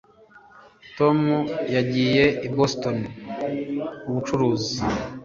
Tom yagiye i Boston mubucuruzi